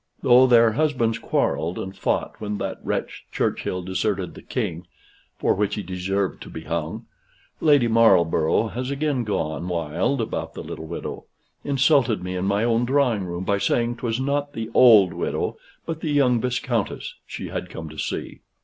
Though their husbands quarrelled and fought when that wretch Churchill deserted the King (for which he deserved to be hung), Lady Marlborough has again gone wild about the little widow; insulted me in my own drawing room, by saying 'twas not the OLD widow, but the young Viscountess, she had come to see.